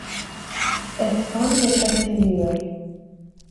Es fan de Justin Bieber.